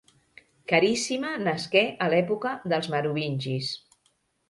Caríssima nasqué a l'època dels merovingis.